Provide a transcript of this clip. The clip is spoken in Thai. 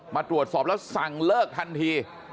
มาตรวจสอบแล้วสั่งเลิกทันที